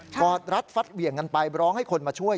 อดรัดฟัดเหวี่ยงกันไปร้องให้คนมาช่วย